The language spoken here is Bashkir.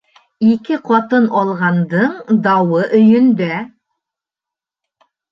Ике ҡатын алғандың дауы өйөндә